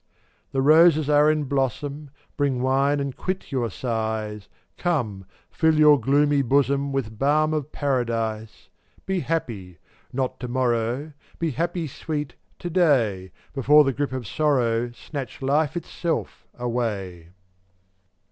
452 The roses are in blossom; Bring wine and quit your sighs; Come, fill your gloomy bosom With balm of paradise. Be happy — not tomorrow — Be happy, Sweet, today, Before the grip of Sorrow Snatch life itself away.